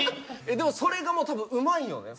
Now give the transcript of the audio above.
でもそれが多分うまいよね。